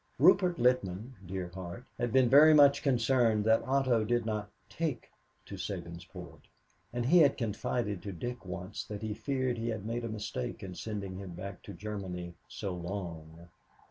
Rupert Littman, dear heart, had been very much concerned that Otto did not "take" to Sabinsport, and he had confided to Dick once that he feared he had made a mistake in sending him back to Germany so long.